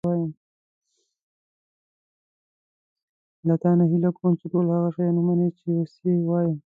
له تا نه هیله کوم چې ټول هغه څه ومنې چې اوس یې وایم.